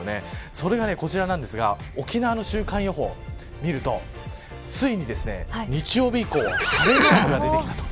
それがこちらなんですが沖縄の週間予報を見るとついに、日曜日以降晴れマークが出てきたと。